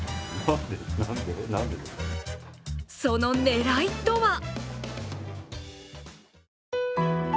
その狙いとは？